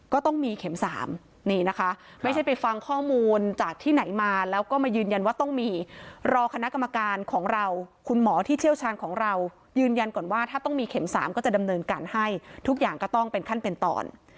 ก็ต้องมีเข็ม๓นี่นะคะไม่ใช่ไปฟังข้อมูลจากที่ไหนมาแล้วก็มายืนยันว่าต้องมีรอคณะกรรมการของเราคุณหมอที่เชี่ยวชาญของเรายืนยันก่อนว่าถ้าต้องมีเข็ม๓ก็จะดำเนินการให้ทุกอย่างก็ต้องเป็นขั้นเป็นตอน